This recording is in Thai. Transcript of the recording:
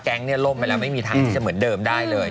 ล่มไปแล้วไม่มีทางที่จะเหมือนเดิมได้เลย